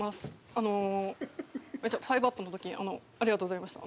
あのめっちゃ５ｕｐの時ありがとうございました。